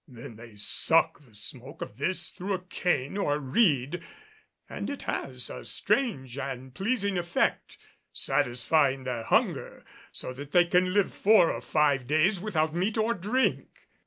Then they suck the smoke of this through a cane or reed and it has a strange and pleasing effect, satisfying their hunger so that they can live four or five days without meat or drink.